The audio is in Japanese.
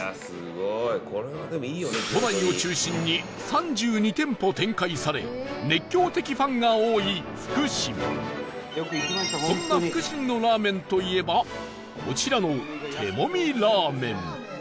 都内を中心に３２店舗展開され熱狂的ファンが多い、福しんそんな福しんのラーメンといえばこちらの手もみラーメン